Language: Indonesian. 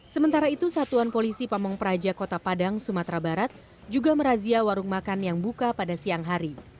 sementara itu satuan polisi pamung praja kota padang sumatera barat juga merazia warung makan yang buka pada siang hari